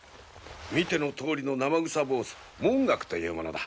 見てのとおりの生臭坊主文覚という者だ。